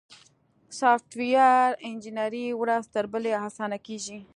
سافټویر انجینري ورځ تر بلې اسانه کیږي.